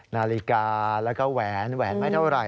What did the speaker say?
นาฬิกาแล้วก็แหวนแหวนไม่เท่าไหร